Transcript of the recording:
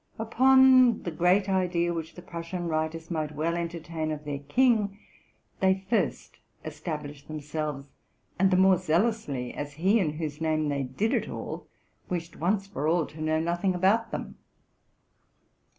Upon the great idea which the Prussian writers might well entertain of their king, they first established themselves, and the more zealously as he, in whose name they did it all,,wished once for all to know nothing about them.